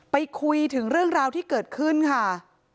ไปคุยถึงเรื่องราวที่เกิดขึ้นค่ะ